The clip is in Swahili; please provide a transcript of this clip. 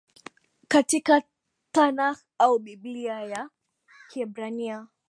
katika Tanakh au Biblia ya Kiebrania